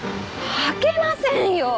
履けませんよ！